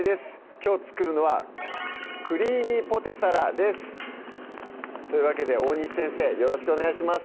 きょう作るのは「クリーミーポテサラ」ですというわけで大西先生よろしくお願いします